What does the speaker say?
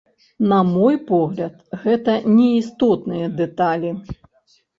На мой погляд, гэта неістотныя дэталі.